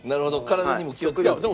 体にも気を使って。